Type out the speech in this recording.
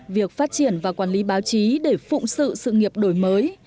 việc phát triển và quản lý báo chí để phụng sự sự nghiệp đổi mới